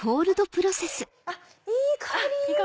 あっいい香り！